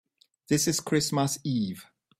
This is Christmas Eve.